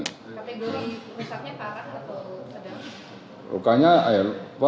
tapi belum rusaknya parah atau ada